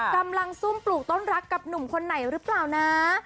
ซุ่มปลูกต้นรักกับหนุ่มคนไหนหรือเปล่านะ